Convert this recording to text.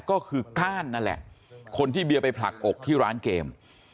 ก็คือก้านนั่นแหละคนที่เบียร์ไปผลักอกที่ร้านเกม